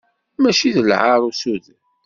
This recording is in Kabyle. Mačči d lɛar usuden.